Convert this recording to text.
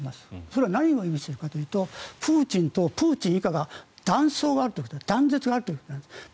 それは何を意味するかというとプーチンとプーチン以下が断層があると、断絶があるということなんですね。